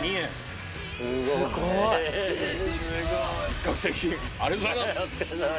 一攫千金ありがとうございます！